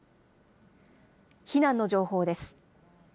避難の情報です。